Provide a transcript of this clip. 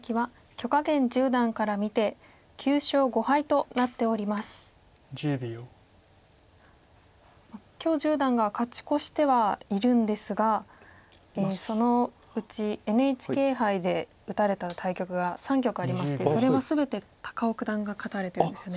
許十段が勝ち越してはいるんですがそのうちＮＨＫ杯で打たれた対局が３局ありましてそれは全て高尾九段が勝たれてるんですよね。